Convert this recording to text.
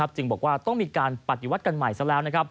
จึงบอกว่าต้องมีการปฏิวัติกันใหม่ซะแล้ว